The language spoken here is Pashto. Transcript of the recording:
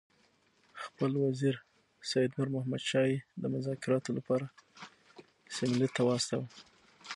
خپل وزیر سید نور محمد شاه یې د مذاکراتو لپاره سیملې ته واستاوه.